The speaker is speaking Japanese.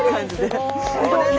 すごい。